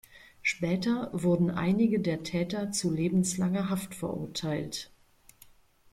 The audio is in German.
Später wurden einige der Täter zu lebenslanger Haft verurteilt.